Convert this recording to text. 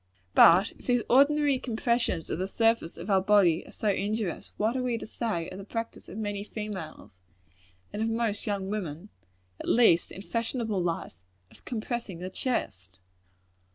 But if these ordinary compressions of the surface of our bodies are so injurious, what are we to say of the practice of many females, and of most young women at least in fashionable life of compressing the chest?